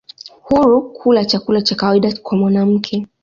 huru kula chakula cha kawaida kwa mwanamke